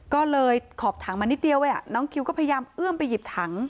ก็เลยขอบถังมานิดเดียวน้องคิวก็พยายามเอื้อมไปหยิบถัง